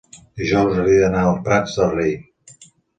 dijous hauria d'anar als Prats de Rei.